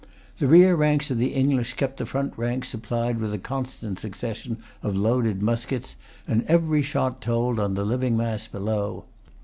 The rear ranks of the English kept the front ranks supplied with a constant succession of loaded muskets, and every shot told on the living mass below.